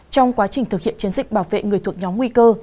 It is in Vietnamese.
trong quá trình thực hiện chiến dịch bảo vệ người thuộc nhóm nguy cơ